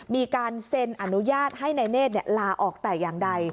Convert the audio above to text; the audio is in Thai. มีการเซ็นอนุญาตให้นายเนธลาออกแต่อย่างใด